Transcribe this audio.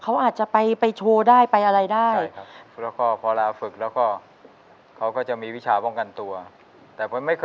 เขาอาจจะไปโชว์ได้ไปอะไรได้